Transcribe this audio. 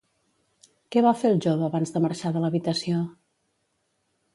Què va fer el jove abans de marxar de l'habitació?